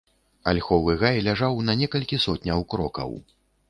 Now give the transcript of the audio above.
Альховы гай ляжаў на некалькі сотняў крокаў.